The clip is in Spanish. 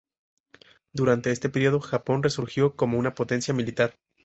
Durante este periodo, Japón resurgió como una potencia militar.